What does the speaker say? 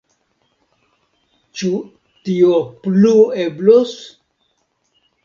Ĉu tio plu eblos?